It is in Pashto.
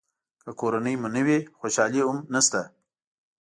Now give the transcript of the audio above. که کورنۍ مو نه وي خوشالي هم نشته.